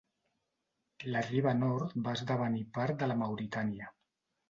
La riba nord va esdevenir part de Mauritània.